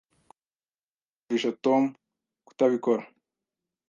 Twagerageje kumvisha Tom kutabikora.